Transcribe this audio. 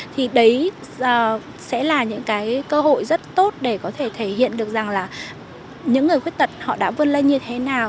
thì đấy sẽ là những cái cơ hội rất tốt để có thể thể hiện được rằng là những người khuyết tật họ đã vươn lên như thế nào